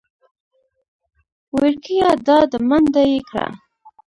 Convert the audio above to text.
وېړکيه دا ده منډه يې کړه .